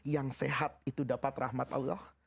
yang sehat itu dapat rahmat allah